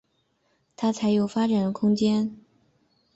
他才有发展的空间